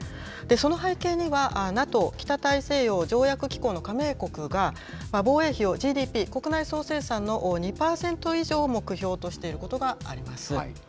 その背景には、ＮＡＴＯ・北大西洋条約機構の加盟国が防衛費をＧＤＰ・国内総生産の２％以上を目標としていることがあります。